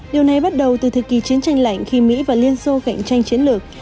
điều này bắt đầu từ thời kỳ chiến tranh lạnh khi mỹ và liên xô cạnh tranh chiến lược